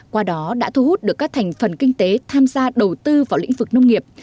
qua đó đã thu hút được các thành phần kinh tế tham gia đầu tư vào lĩnh vực nông nghiệp